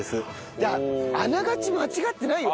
だからあながち間違ってないよ